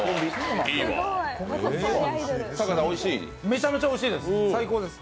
めちゃめちゃおいしいです、最高です。